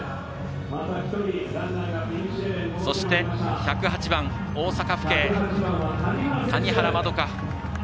そして、１０８番、大阪府警谷原先嘉。